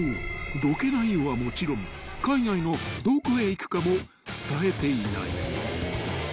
ロケ内容はもちろん海外のどこへ行くかも伝えていない］